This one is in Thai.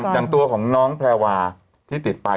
อย่างตัวของน้องแพรวาที่ติดไป